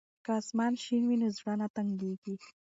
که اسمان شین وي نو زړه نه تنګیږي.